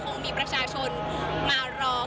ตอนนี้เป็นครั้งหนึ่งครั้งหนึ่ง